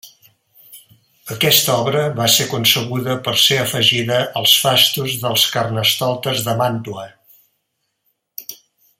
Aquesta obra va ser concebuda per ser afegida als fastos dels carnestoltes de Màntua.